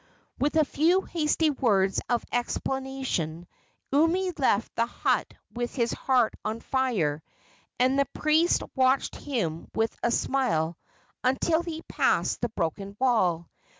With a few hasty words of explanation Umi left the hut with his heart on fire, and the priest watched him with a smile until he passed the broken wall.